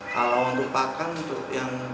kalau untuk pakan untuk yang